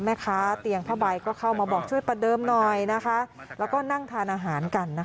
แม่ค้าเตียงผ้าใบก็เข้ามาบอกช่วยประเดิมหน่อยนะคะแล้วก็นั่งทานอาหารกันนะคะ